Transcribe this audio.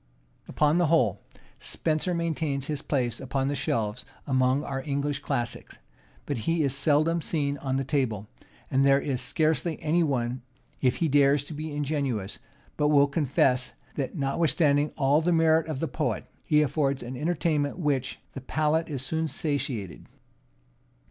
Upon the whole, Spenser maintains his place upon the shelves among our English classics; but he is seldom seen on the table; and there is scarcely any one, if he dares to be ingenuous, but will confess, that, notwithstanding all the merit of the poet, he affords an entertainment with which the palate is soon satiated.